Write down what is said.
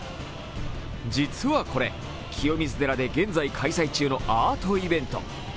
実はこれ、清水寺で現在開催中のアートイベント。